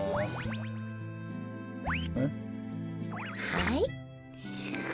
はい。